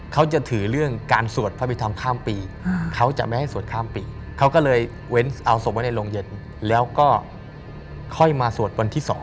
เขาจะถือเรื่องการสวดพระพิธรรมข้ามปีเขาจะไม่ให้สวดข้ามปีเขาก็เลยเว้นเอาศพไว้ในโรงเย็นแล้วก็ค่อยมาสวดวันที่๒